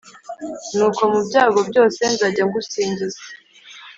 nuko, mu byago byose.nzajya ngusingiza,